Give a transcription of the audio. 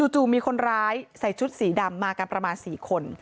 จู่มีคนร้ายใส่ชุดสีดำมากันประมาณ๔คน